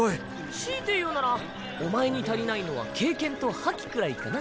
強いて言うならお前に足りないのは経験と覇気くらいかな。